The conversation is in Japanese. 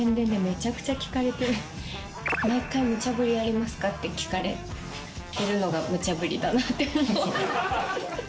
毎回「ムチャブリありますか？」って聞かれてるのがムチャブリだなって思う。